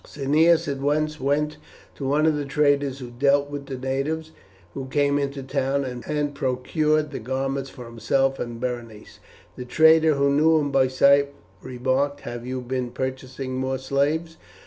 '" Cneius at once went to one of the traders who dealt with the natives who came into the town, and procured the garments for himself and Berenice. The trader, who knew him by sight, remarked, "Have you been purchasing more slaves?"